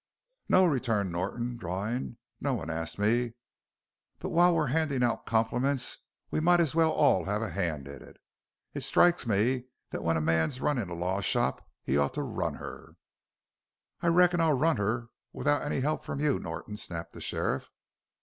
"No," returned Norton, drawling, "no one asked me. But while we're handin' out compliments we might as well all have a hand in it. It strikes me that when a man's runnin' a law shop he ought to run her." "I reckon I'll run her without any help from you, Norton!" snapped the sheriff.